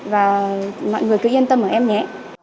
và mọi người cứ yên tâm ở em nhé